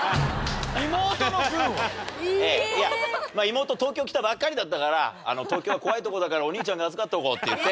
妹東京来たばっかりだったから東京は怖いとこだからお兄ちゃんが預かっておこうって言って。